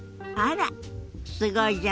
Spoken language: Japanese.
すごいじゃない。